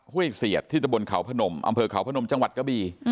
ห้วยเสียดที่ตะบนเขาพนมอำเภอเขาพนมจังหวัดกะบี